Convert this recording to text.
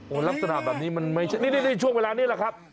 ลักษณะแบบนี้มันไม่ใช่นี่ช่วงเวลานี้แหละครับ